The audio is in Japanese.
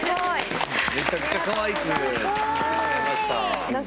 めちゃくちゃかわいく作ってくれました。